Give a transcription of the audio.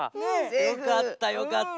よかったよかった。